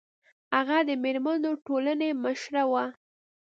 هغه د میرمنو ټولنې مشره وه